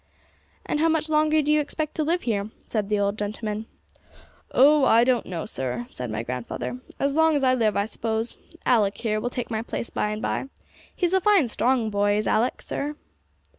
'And how much longer do you expect to live here?' said the old gentleman. 'Oh, I don't know, sir,' said my grandfather. 'As long as I live, I suppose. Alick, here, will take my place by and by; he's a fine, strong boy is Alick, sir.'